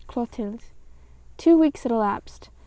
CLOTILDE. 1 ">WO weeks had elapsed.